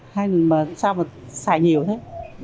hay mà sao mà xài nhiều thế